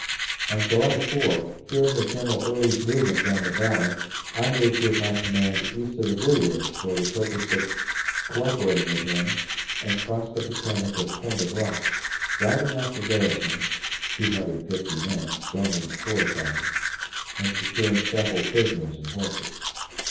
On July 4, hearing of General Early's movement down the Valley, I moved with my command east of the Blue Ridge for the purpose of coöperating with him and crossed the Potomac at Point of Rocks, driving out the garrison (250 men, strongly fortified) and securing several prisoners and horses.